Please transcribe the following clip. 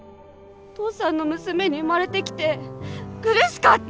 父さんの娘に生まれてきて苦しかった！